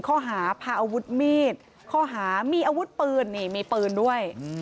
ข้อหาพาอาวุธมีดข้อหามีอาวุธปืนนี่มีปืนด้วย